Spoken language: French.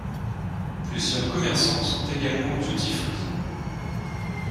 Plusieurs commerçants sont également duty-free.